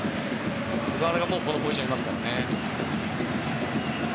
菅原が、もうこのポジションにいましたからね。